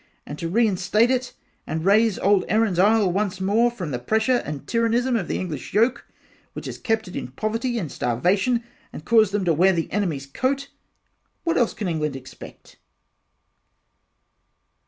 and to reinstate it and rise old Erins isle once more, from the pressure and tyrannism of the English yoke, which has kept it in poverty and starvation, and caused them to wear the enemys coats. What else can England expect.